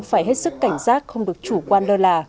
phải hết sức cảnh giác không được chủ quan lơ là